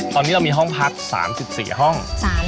ตอนนี้เรามีห้องพัก๓๔ห้อง